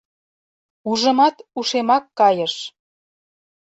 Ужымат, ушемак кайыш.